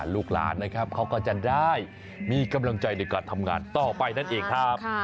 ลูกหลานนะครับเขาก็จะได้มีกำลังใจในการทำงานต่อไปนั่นเองครับ